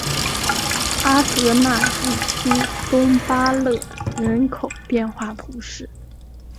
阿戈讷地区东巴勒人口变化图示